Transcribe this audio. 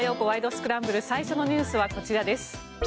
スクランブル」最初のニュースはこちらです。